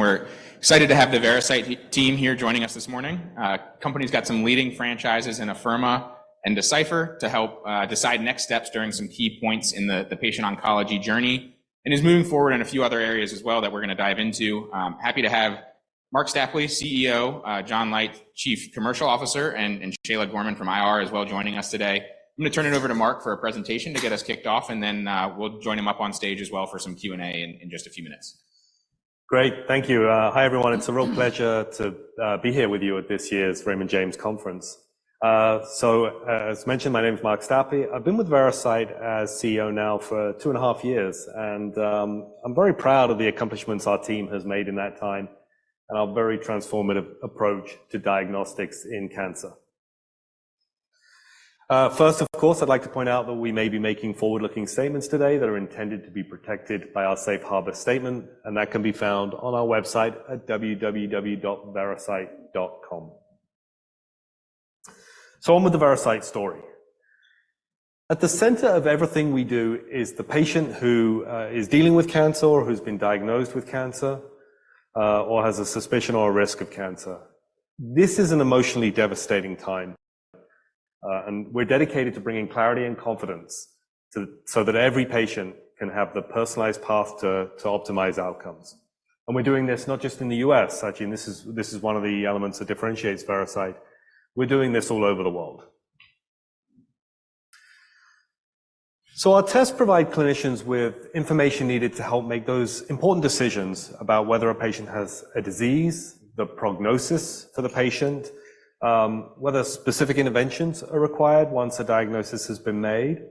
We're excited to have the Veracyte team here joining us this morning. The company's got some leading franchises in Afirma and Decipher to help decide next steps during some key points in the patient oncology journey and is moving forward in a few other areas as well that we're going to dive into. Happy to have Marc Stapley, CEO, John Leite, Chief Commercial Officer, and Shayla Gorman from IR as well joining us today. I'm going to turn it over to Marc for a presentation to get us kicked off, and then we'll join him up on stage as well for some Q&A in just a few minutes. Great. Thank you. Hi everyone. It's a real pleasure to be here with you at this year's Raymond James Conference. So as mentioned, my name is Marc Stapley. I've been with Veracyte as CEO now for 2.5 years, and I'm very proud of the accomplishments our team has made in that time and our very transformative approach to diagnostics in cancer. First, of course, I'd like to point out that we may be making forward-looking statements today that are intended to be protected by our Safe Harbor Statement, and that can be found on our website at www.veracyte.com. So on with the Veracyte story. At the center of everything we do is the patient who is dealing with cancer or who's been diagnosed with cancer or has a suspicion or a risk of cancer. This is an emotionally devastating time, and we're dedicated to bringing clarity and confidence so that every patient can have the personalized path to optimize outcomes. We're doing this not just in the U.S., actually, and this is one of the elements that differentiates Veracyte. We're doing this all over the world. Our tests provide clinicians with information needed to help make those important decisions about whether a patient has a disease, the prognosis for the patient, whether specific interventions are required once a diagnosis has been made,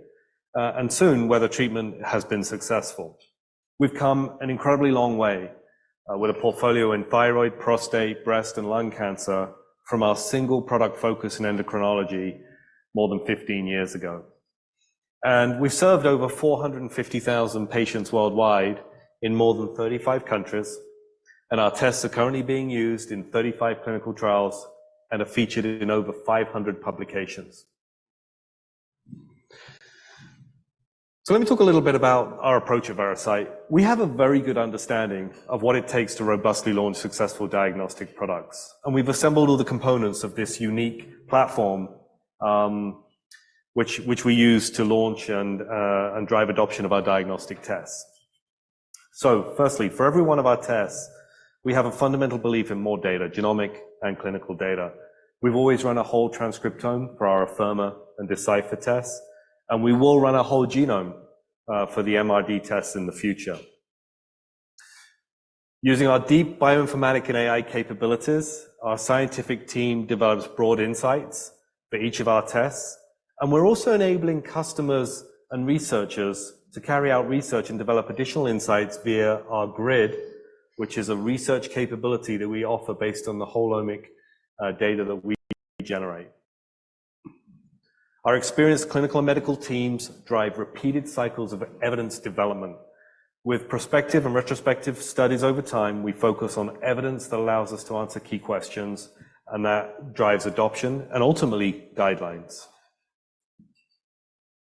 and soon whether treatment has been successful. We've come an incredibly long way with a portfolio in thyroid, prostate, breast, and lung cancer from our single product focus in endocrinology more than 15 years ago. And we've served over 450,000 patients worldwide in more than 35 countries, and our tests are currently being used in 35 clinical trials and are featured in over 500 publications. So let me talk a little bit about our approach at Veracyte. We have a very good understanding of what it takes to robustly launch successful diagnostic products, and we've assembled all the components of this unique platform which we use to launch and drive adoption of our diagnostic tests. So firstly, for every one of our tests, we have a fundamental belief in more data, genomic and clinical data. We've always run a whole transcriptome for our Afirma and Decipher tests, and we will run a whole genome for the MRD tests in the future. Using our deep bioinformatic and AI capabilities, our scientific team develops broad insights for each of our tests, and we're also enabling customers and researchers to carry out research and develop additional insights via our GRID, which is a research capability that we offer based on the whole omic data that we generate. Our experienced clinical and medical teams drive repeated cycles of evidence development. With prospective and retrospective studies over time, we focus on evidence that allows us to answer key questions, and that drives adoption and ultimately guidelines.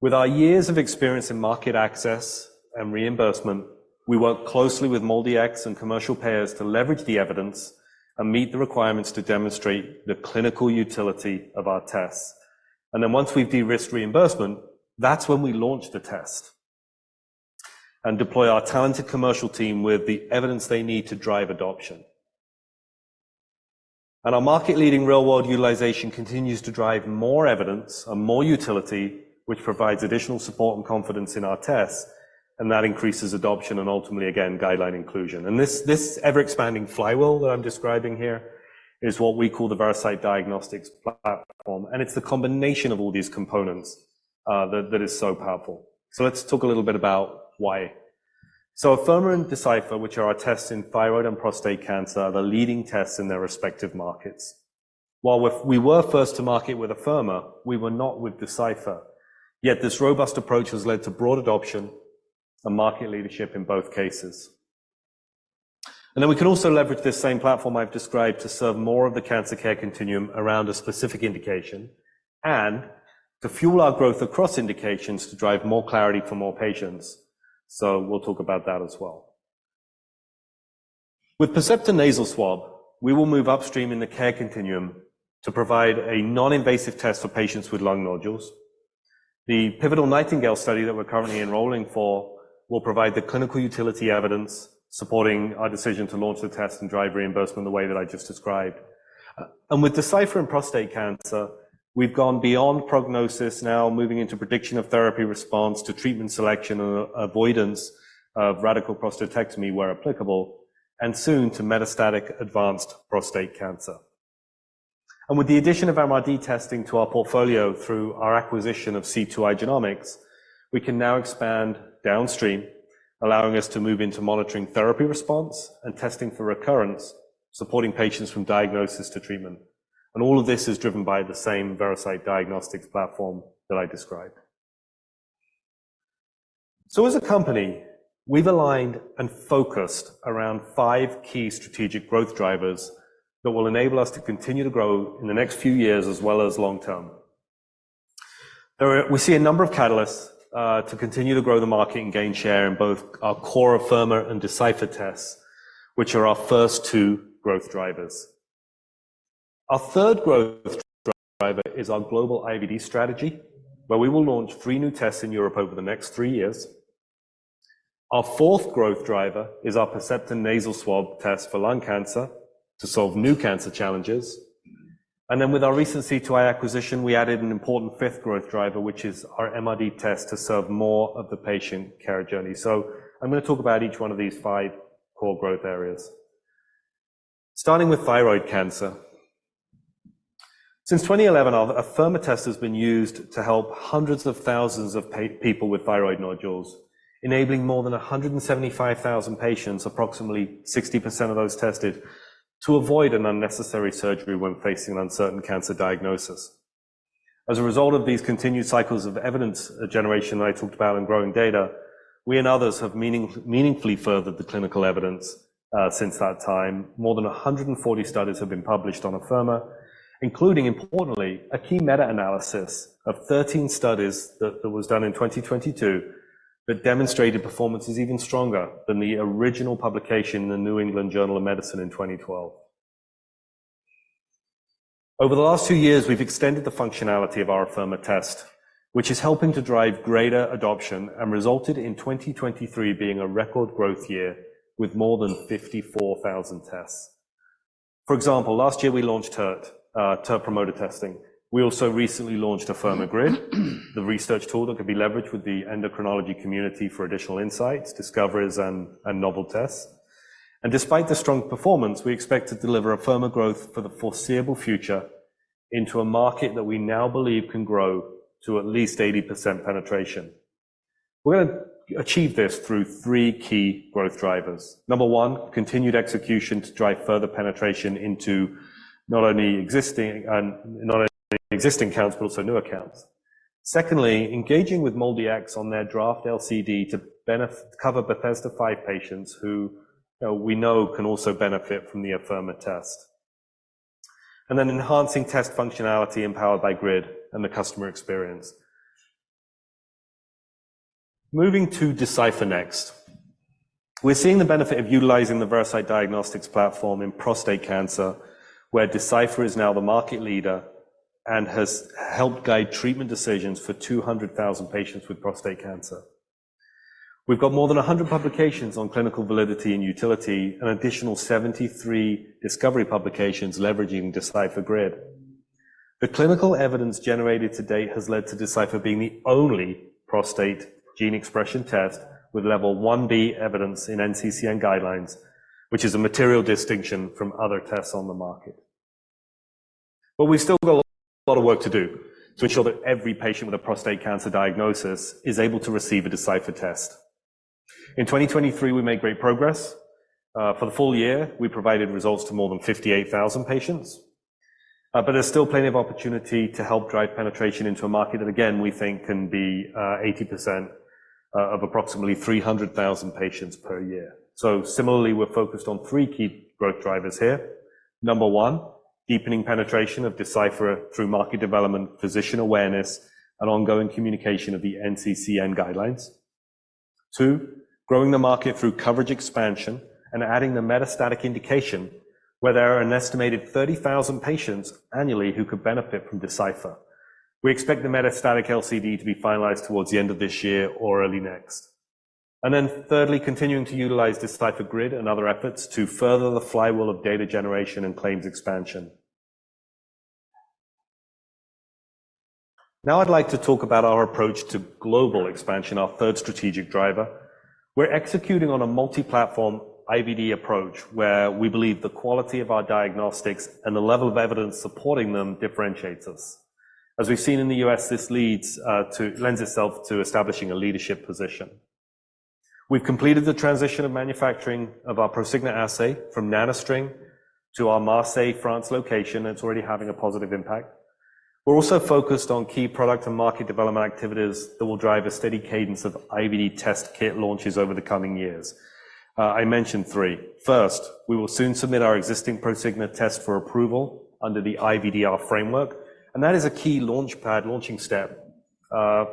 With our years of experience in market access and reimbursement, we work closely with MolDX and commercial payers to leverage the evidence and meet the requirements to demonstrate the clinical utility of our tests. Then once we've de-risked reimbursement, that's when we launch the test and deploy our talented commercial team with the evidence they need to drive adoption. Our market-leading real-world utilization continues to drive more evidence and more utility, which provides additional support and confidence in our tests, and that increases adoption and ultimately, again, guideline inclusion. This ever-expanding flywheel that I'm describing here is what we call the Veracyte Diagnostics Platform, and it's the combination of all these components that is so powerful. Let's talk a little bit about why. Afirma and Decipher, which are our tests in thyroid and prostate cancer, are the leading tests in their respective markets. While we were first to market with Afirma, we were not with Decipher. Yet this robust approach has led to broad adoption and market leadership in both cases. And then we can also leverage this same platform I've described to serve more of the cancer care continuum around a specific indication and to fuel our growth across indications to drive more clarity for more patients. So we'll talk about that as well. With Percepta Nasal Swab, we will move upstream in the care continuum to provide a non-invasive test for patients with lung nodules. The Pivotal Nightingale study that we're currently enrolling for will provide the clinical utility evidence supporting our decision to launch the test and drive reimbursement the way that I just described. And with Decipher in prostate cancer, we've gone beyond prognosis, now moving into prediction of therapy response to treatment selection and avoidance of radical prostatectomy where applicable, and soon to metastatic advanced prostate cancer. With the addition of MRD testing to our portfolio through our acquisition of C2i Genomics, we can now expand downstream, allowing us to move into monitoring therapy response and testing for recurrence, supporting patients from diagnosis to treatment. All of this is driven by the same Veracyte Diagnostics Platform that I described. As a company, we've aligned and focused around five key strategic growth drivers that will enable us to continue to grow in the next few years as well as long term. We see a number of catalysts to continue to grow the market and gain share in both our core Afirma and Decipher tests, which are our first two growth drivers. Our third growth driver is our global IVD strategy, where we will launch three new tests in Europe over the next three years. Our fourth growth driver is our Percepta Nasal Swab test for lung cancer to solve new cancer challenges. And then with our recent C2i acquisition, we added an important fifth growth driver, which is our MRD test to serve more of the patient care journey. So I'm going to talk about each one of these five core growth areas. Starting with thyroid cancer. Since 2011, Afirma tests have been used to help hundreds of thousands of people with thyroid nodules, enabling more than 175,000 patients, approximately 60% of those tested, to avoid an unnecessary surgery when facing an uncertain cancer diagnosis. As a result of these continued cycles of evidence generation that I talked about and growing data, we and others have meaningfully furthered the clinical evidence since that time. More than 140 studies have been published on Afirma, including, importantly, a key meta-analysis of 13 studies that was done in 2022 that demonstrated performances even stronger than the original publication in the New England Journal of Medicine in 2012. Over the last two years, we've extended the functionality of our Afirma test, which is helping to drive greater adoption and resulted in 2023 being a record growth year with more than 54,000 tests. For example, last year we launched TERT, TERT promoter testing. We also recently launched Afirma GRID, the research tool that could be leveraged with the endocrinology community for additional insights, discoveries, and novel tests. And despite the strong performance, we expect to deliver Afirma growth for the foreseeable future into a market that we now believe can grow to at least 80% penetration. We're going to achieve this through three key growth drivers. Number one, continued execution to drive further penetration into not only existing accounts, but also new accounts. Secondly, engaging with MolDX on their draft LCD to cover Bethesda-5 patients who we know can also benefit from the Afirma test. And then enhancing test functionality empowered by GRID and the customer experience. Moving to Decipher next. We're seeing the benefit of utilizing the Veracyte Diagnostics Platform in prostate cancer, where Decipher is now the market leader and has helped guide treatment decisions for 200,000 patients with prostate cancer. We've got more than 100 publications on clinical validity and utility, an additional 73 discovery publications leveraging Decipher GRID. The clinical evidence generated to date has led to Decipher being the only prostate gene expression test with level 1B evidence in NCCN guidelines, which is a material distinction from other tests on the market. But we still got a lot of work to do to ensure that every patient with a prostate cancer diagnosis is able to receive a Decipher test. In 2023, we made great progress. For the full year, we provided results to more than 58,000 patients. But there's still plenty of opportunity to help drive penetration into a market that, again, we think can be 80% of approximately 300,000 patients per year. So similarly, we're focused on three key growth drivers here. Number one, deepening penetration of Decipher through market development, physician awareness, and ongoing communication of the NCCN guidelines. Two, growing the market through coverage expansion and adding the metastatic indication, where there are an estimated 30,000 patients annually who could benefit from Decipher. We expect the metastatic LCD to be finalized towards the end of this year or early next. And then thirdly, continuing to utilize Decipher GRID and other efforts to further the flywheel of data generation and claims expansion. Now I'd like to talk about our approach to global expansion, our third strategic driver. We're executing on a multi-platform IVD approach where we believe the quality of our diagnostics and the level of evidence supporting them differentiates us. As we've seen in the U.S., this lends itself to establishing a leadership position. We've completed the transition of manufacturing of our Prosigna assay from NanoString to our Marseille, France, location, and it's already having a positive impact. We're also focused on key product and market development activities that will drive a steady cadence of IVD test kit launches over the coming years. I mentioned three. First, we will soon submit our existing Prosigna test for approval under the IVDR framework, and that is a key launch pad, launching step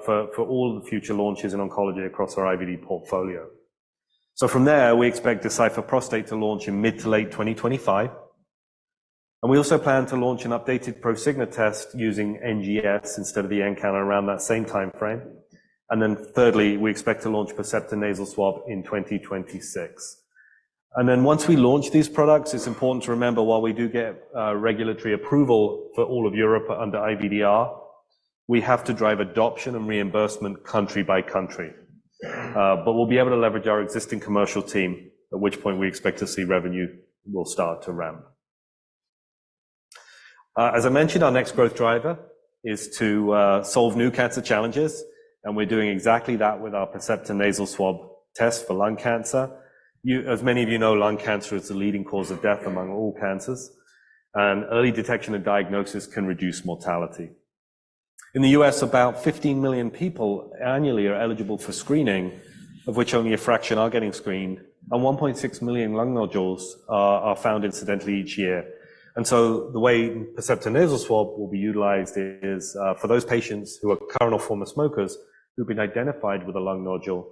for all of the future launches in oncology across our IVD portfolio. So from there, we expect Decipher Prostate to launch in mid- to late 2025. And we also plan to launch an updated Prosigna test using NGS instead of the nCounter around that same time frame. And then thirdly, we expect to launch Percepta Nasal Swab in 2026. And then once we launch these products, it's important to remember while we do get regulatory approval for all of Europe under IVDR, we have to drive adoption and reimbursement country by country. But we'll be able to leverage our existing commercial team, at which point we expect to see revenue will start to ramp. As I mentioned, our next growth driver is to solve new cancer challenges, and we're doing exactly that with our Percepta Nasal Swab test for lung cancer. As many of you know, lung cancer is the leading cause of death among all cancers, and early detection and diagnosis can reduce mortality. In the U.S., about 15 million people annually are eligible for screening, of which only a fraction are getting screened, and 1.6 million lung nodules are found incidentally each year. And so the way Percepta Nasal Swab will be utilized is for those patients who are current or former smokers who've been identified with a lung nodule,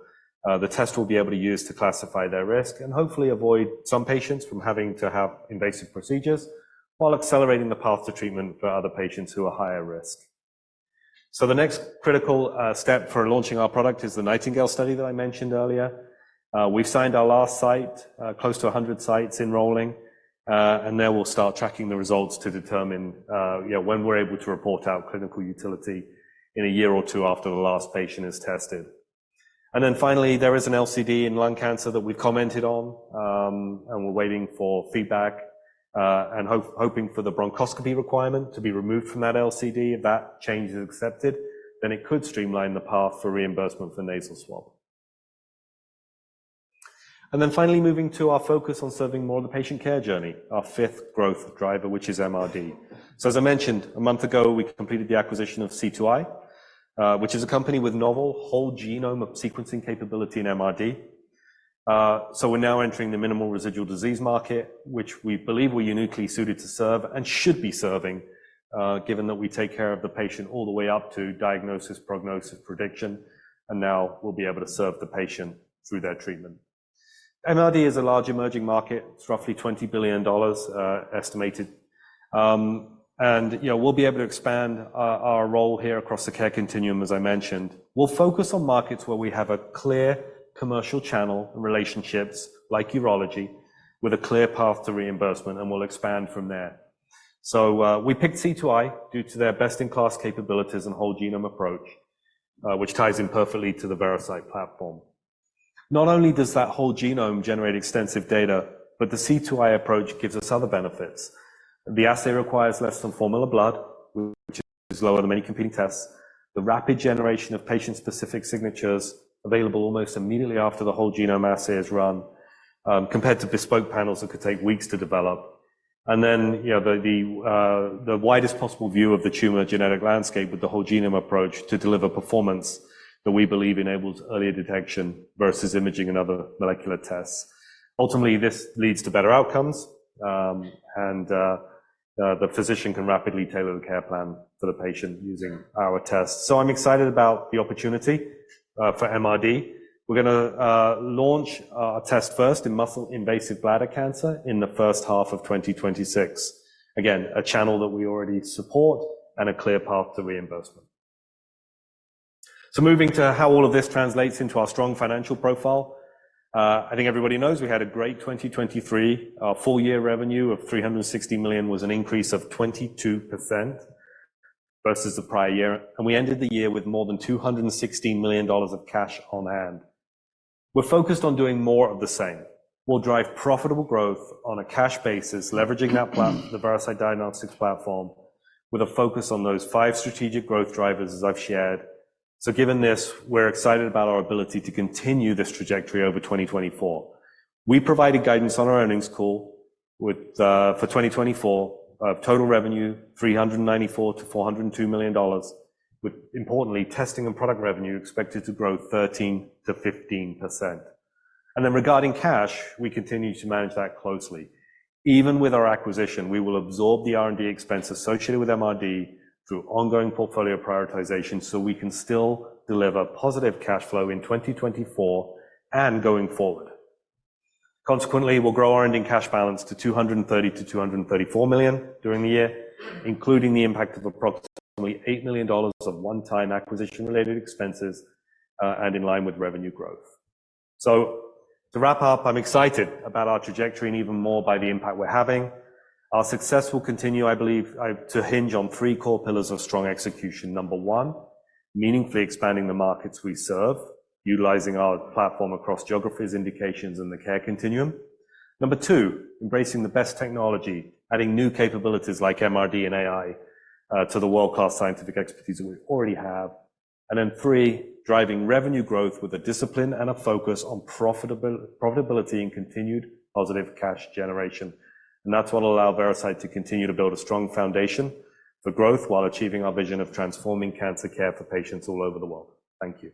the test will be able to use to classify their risk and hopefully avoid some patients from having to have invasive procedures while accelerating the path to treatment for other patients who are higher risk. So the next critical step for launching our product is the Nightingale study that I mentioned earlier. We've signed our last site, close to 100 sites enrolling, and now we'll start tracking the results to determine when we're able to report out clinical utility in a year or two after the last patient is tested. And then finally, there is an LCD in lung cancer that we've commented on, and we're waiting for feedback and hoping for the bronchoscopy requirement to be removed from that LCD. If that change is accepted, then it could streamline the path for reimbursement for Nasal Swab. And then finally, moving to our focus on serving more of the patient care journey, our fifth growth driver, which is MRD. So as I mentioned, a month ago, we completed the acquisition of C2i, which is a company with novel whole-genome sequencing capability in MRD. We're now entering the minimal residual disease market, which we believe we're uniquely suited to serve and should be serving, given that we take care of the patient all the way up to diagnosis, prognosis, prediction, and now we'll be able to serve the patient through their treatment. MRD is a large emerging market. It's roughly $20 billion estimated. We'll be able to expand our role here across the care continuum, as I mentioned. We'll focus on markets where we have a clear commercial channel and relationships like urology with a clear path to reimbursement, and we'll expand from there. We picked C2i due to their best-in-class capabilities and whole genome approach, which ties in perfectly to the Veracyte platform. Not only does that whole genome generate extensive data, but the C2i approach gives us other benefits. The assay requires less than five mL of blood, which is lower than many competing tests. The rapid generation of patient-specific signatures available almost immediately after the whole genome assay is run, compared to bespoke panels that could take weeks to develop. And then the widest possible view of the tumor genetic landscape with the whole genome approach to deliver performance that we believe enables earlier detection versus imaging and other molecular tests. Ultimately, this leads to better outcomes, and the physician can rapidly tailor the care plan for the patient using our tests. So I'm excited about the opportunity for MRD. We're going to launch a test first in muscle-invasive bladder cancer in the first half of 2026. Again, a channel that we already support and a clear path to reimbursement. So moving to how all of this translates into our strong financial profile. I think everybody knows we had a great 2023. Our full year revenue of $360 million was an increase of 22% versus the prior year, and we ended the year with more than $216 million of cash on hand. We're focused on doing more of the same. We'll drive profitable growth on a cash basis, leveraging the Veracyte Diagnostics platform with a focus on those five strategic growth drivers as I've shared. So given this, we're excited about our ability to continue this trajectory over 2024. We provided guidance on our earnings call for 2024 of total revenue $394-$402 million, with importantly, testing and product revenue expected to grow 13%-15%. And then regarding cash, we continue to manage that closely. Even with our acquisition, we will absorb the R&D expense associated with MRD through ongoing portfolio prioritization so we can still deliver positive cash flow in 2024 and going forward. Consequently, we'll grow our ending cash balance to $230-$234 million during the year, including the impact of approximately $8 million of one-time acquisition-related expenses and in line with revenue growth. So to wrap up, I'm excited about our trajectory and even more by the impact we're having. Our success will continue, I believe, to hinge on three core pillars of strong execution. Number one, meaningfully expanding the markets we serve, utilizing our platform across geographies, indications, and the care continuum. Number two, embracing the best technology, adding new capabilities like MRD and AI to the world-class scientific expertise that we already have. And then three, driving revenue growth with a discipline and a focus on profitability and continued positive cash generation. And that's what will allow Veracyte to continue to build a strong foundation for growth while achieving our vision of transforming cancer care for patients all over the world. Thank you.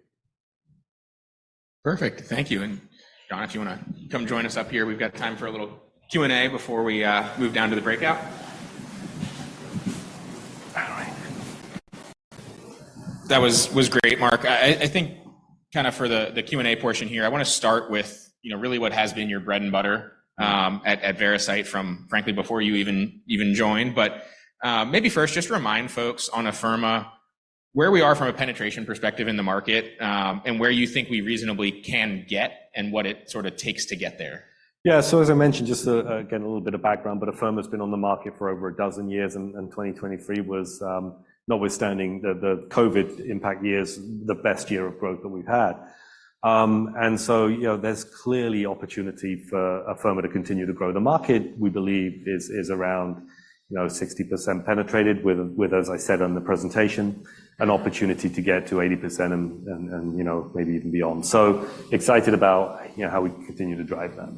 Perfect. Thank you. And John, if you want to come join us up here, we've got time for a little Q&A before we move down to the breakout. That was great, Marc. I think kind of for the Q&A portion here, I want to start with really what has been your bread and butter at Veracyte from, frankly, before you even joined. But maybe first, just remind folks on Afirma where we are from a penetration perspective in the market and where you think we reasonably can get and what it sort of takes to get there. Yeah. So as I mentioned, just again, a little bit of background, but Afirma has been on the market for over a dozen years, and 2023 was, notwithstanding the COVID impact years, the best year of growth that we've had. And so there's clearly opportunity for Afirma to continue to grow. The market, we believe, is around 60% penetrated with, as I said on the presentation, an opportunity to get to 80% and maybe even beyond. So excited about how we continue to drive that.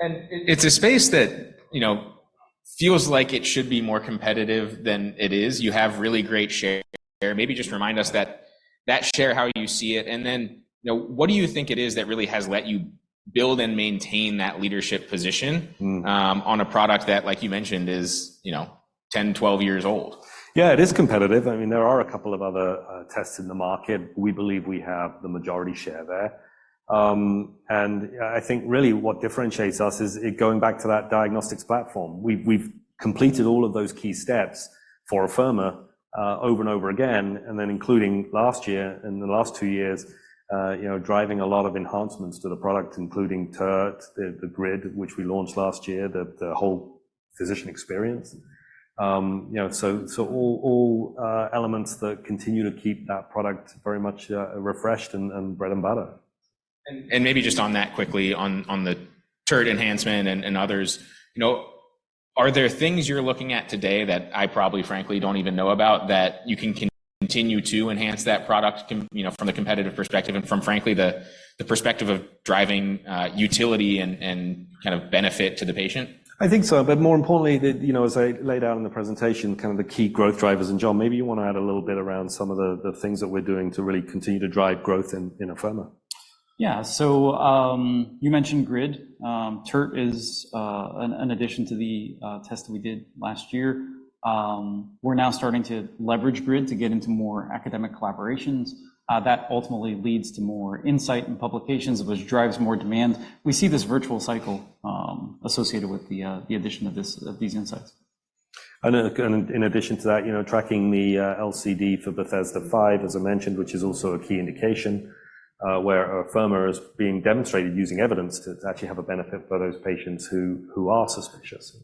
It's a space that feels like it should be more competitive than it is. You have really great share. Maybe just remind us that share, how you see it. Then what do you think it is that really has let you build and maintain that leadership position on a product that, like you mentioned, is 10, 12 years old? Yeah, it is competitive. I mean, there are a couple of other tests in the market. We believe we have the majority share there. And I think really what differentiates us is going back to that diagnostics platform. We've completed all of those key steps for Afirma over and over again, and then including last year and the last two years, driving a lot of enhancements to the product, including TERT, the grid, which we launched last year, the whole physician experience. So all elements that continue to keep that product very much refreshed and bread and butter. Maybe just on that quickly, on the TERT enhancement and others, are there things you're looking at today that I probably, frankly, don't even know about that you can continue to enhance that product from the competitive perspective and from, frankly, the perspective of driving utility and kind of benefit to the patient? I think so. But more importantly, as I laid out in the presentation, kind of the key growth drivers. And John, maybe you want to add a little bit around some of the things that we're doing to really continue to drive growth in Afirma. Yeah. So you mentioned GRID. TERT is an addition to the test we did last year. We're now starting to leverage GRID to get into more academic collaborations. That ultimately leads to more insight and publications, which drives more demand. We see this virtuous cycle associated with the addition of these insights. In addition to that, tracking the LCD for Bethesda-5, as I mentioned, which is also a key indication where Afirma is being demonstrated using evidence to actually have a benefit for those patients who are suspicious.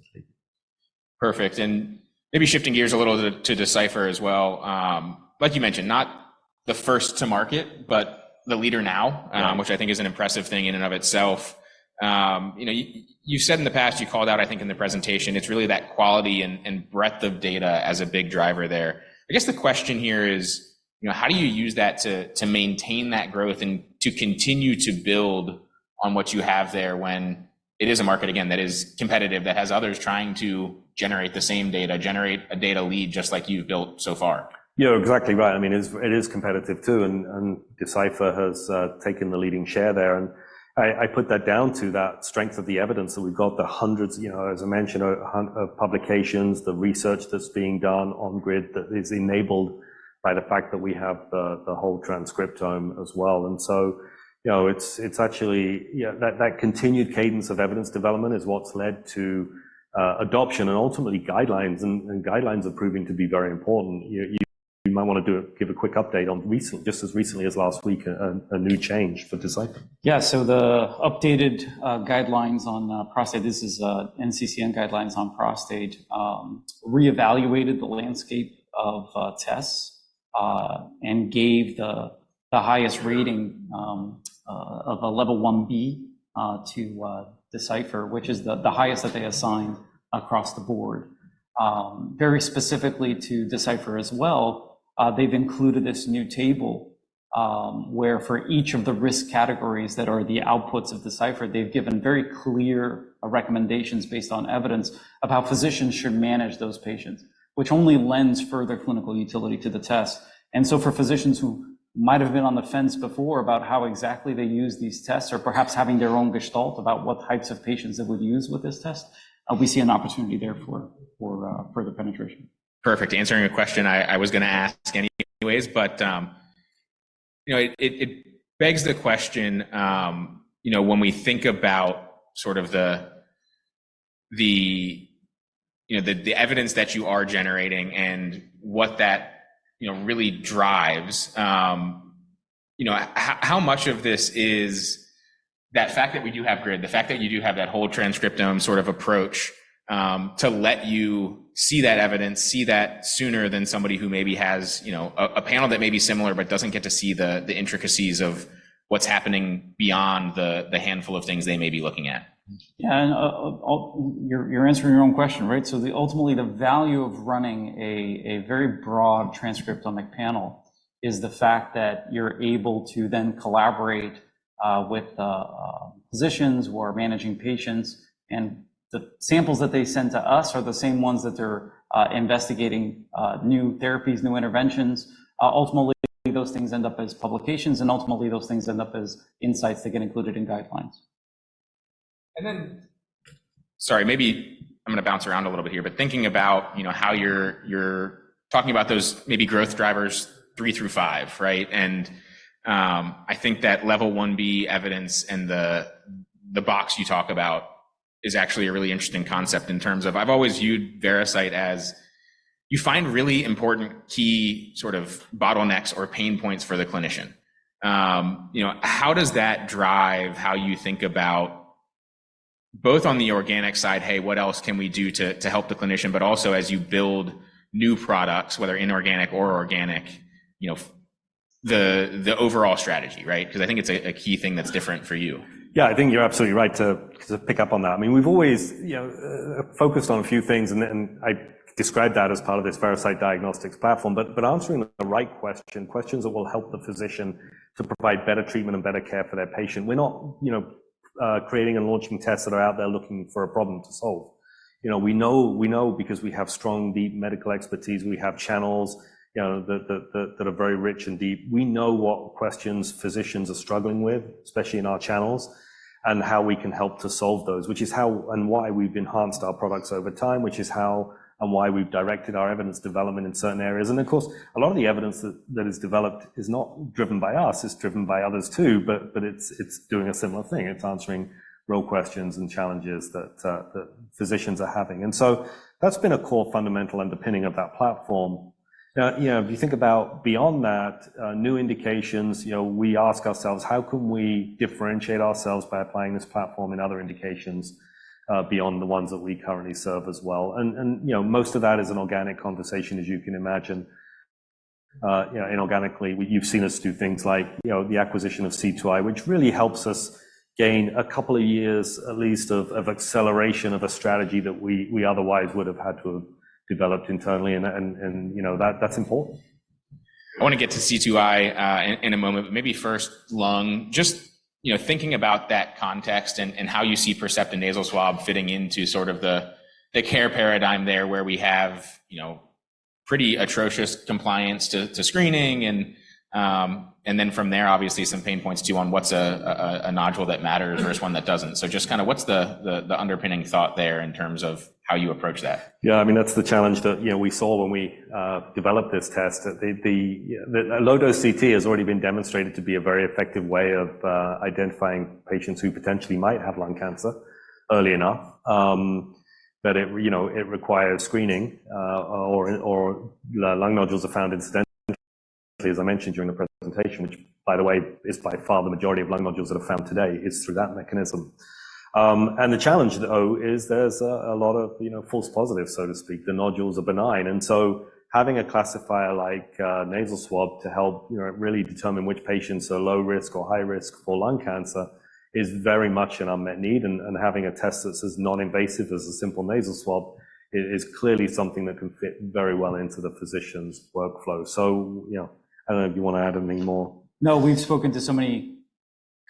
Perfect. And maybe shifting gears a little to Decipher as well. Like you mentioned, not the first to market, but the leader now, which I think is an impressive thing in and of itself. You said in the past, you called out, I think, in the presentation, it's really that quality and breadth of data as a big driver there. I guess the question here is, how do you use that to maintain that growth and to continue to build on what you have there when it is a market, again, that is competitive, that has others trying to generate the same data, generate a data lead just like you've built so far? Yeah, exactly right. I mean, it is competitive too. And Decipher has taken the leading share there. And I put that down to that strength of the evidence that we've got, the hundreds, as I mentioned, of publications, the research that's being done on GRID that is enabled by the fact that we have the whole transcriptome as well. And so it's actually that continued cadence of evidence development is what's led to adoption and ultimately guidelines, and guidelines are proving to be very important. You might want to give a quick update on just as recently as last week, a new change for Decipher. Yeah. So the updated guidelines on prostate, this is NCCN guidelines on prostate, reevaluated the landscape of tests and gave the highest rating of a level 1B to Decipher, which is the highest that they assigned across the board. Very specifically to Decipher as well, they've included this new table where for each of the risk categories that are the outputs of Decipher, they've given very clear recommendations based on evidence of how physicians should manage those patients, which only lends further clinical utility to the test. And so for physicians who might have been on the fence before about how exactly they use these tests or perhaps having their own gestalt about what types of patients they would use with this test, we see an opportunity there for further penetration. Perfect. Answering a question I was going to ask anyways, but it begs the question, when we think about sort of the evidence that you are generating and what that really drives, how much of this is that fact that we do have grid, the fact that you do have that whole transcriptome sort of approach to let you see that evidence, see that sooner than somebody who maybe has a panel that may be similar but doesn't get to see the intricacies of what's happening beyond the handful of things they may be looking at? Yeah. And you're answering your own question, right? So ultimately, the value of running a very broad transcriptomic panel is the fact that you're able to then collaborate with physicians who are managing patients. And the samples that they send to us are the same ones that they're investigating new therapies, new interventions. Ultimately, those things end up as publications, and ultimately, those things end up as insights that get included in guidelines. And then sorry, maybe I'm going to bounce around a little bit here, but thinking about how you're talking about those maybe growth drivers three through five, right? And I think that level 1B evidence and the box you talk about is actually a really interesting concept in terms of, I've always viewed Veracyte as you find really important key sort of bottlenecks or pain points for the clinician. How does that drive how you think about both on the organic side, hey, what else can we do to help the clinician, but also as you build new products, whether inorganic or organic, the overall strategy, right? Because I think it's a key thing that's different for you. Yeah, I think you're absolutely right to pick up on that. I mean, we've always focused on a few things, and I describe that as part of this Veracyte Diagnostics platform. But answering the right question, questions that will help the physician to provide better treatment and better care for their patient. We're not creating and launching tests that are out there looking for a problem to solve. We know because we have strong, deep medical expertise. We have channels that are very rich and deep. We know what questions physicians are struggling with, especially in our channels, and how we can help to solve those, which is how and why we've enhanced our products over time, which is how and why we've directed our evidence development in certain areas. And of course, a lot of the evidence that is developed is not driven by us. It's driven by others too, but it's doing a similar thing. It's answering real questions and challenges that physicians are having. And so that's been a core fundamental underpinning of that platform. Now, if you think about beyond that, new indications, we ask ourselves, how can we differentiate ourselves by applying this platform in other indications beyond the ones that we currently serve as well? And most of that is an organic conversation, as you can imagine. Inorganically, you've seen us do things like the acquisition of C2i, which really helps us gain a couple of years, at least, of acceleration of a strategy that we otherwise would have had to have developed internally. And that's important. I want to get to C2i in a moment, but maybe first, lung, just thinking about that context and how you see Percepta Nasal Swab fitting into sort of the care paradigm there where we have pretty atrocious compliance to screening. And then from there, obviously, some pain points too on what's a nodule that matters versus one that doesn't. So just kind of what's the underpinning thought there in terms of how you approach that? Yeah. I mean, that's the challenge that we saw when we developed this test. Low-dose CT has already been demonstrated to be a very effective way of identifying patients who potentially might have lung cancer early enough. But it requires screening, or lung nodules are found incidentally, as I mentioned during the presentation, which, by the way, is by far the majority of lung nodules that are found today, is through that mechanism. And the challenge, though, is there's a lot of false positives, so to speak. The nodules are benign. And so having a classifier like Nasal Swab to help really determine which patients are low risk or high risk for lung cancer is very much an unmet need. And having a test that's as non-invasive as a simple Nasal Swab is clearly something that can fit very well into the physician's workflow. I don't know if you want to add anything more. No, we've spoken to so many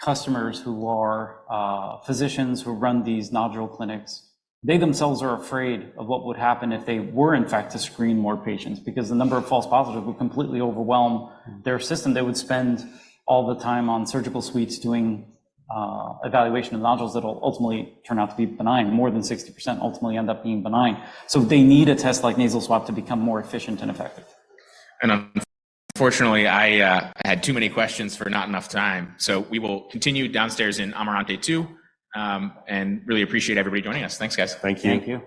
customers who are physicians who run these nodule clinics. They themselves are afraid of what would happen if they were, in fact, to screen more patients because the number of false positives would completely overwhelm their system. They would spend all the time on surgical suites doing evaluation of nodules that will ultimately turn out to be benign. More than 60% ultimately end up being benign. So they need a test like Nasal Swab to become more efficient and effective. Unfortunately, I had too many questions for not enough time. We will continue downstairs in Amarante 2 and really appreciate everybody joining us. Thanks, guys. Thank you. Thank you.